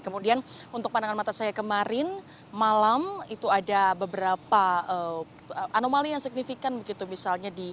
kemudian untuk pandangan mata saya kemarin malam itu ada beberapa anomali yang signifikan begitu misalnya di